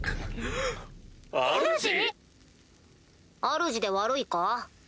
あるじで悪いか？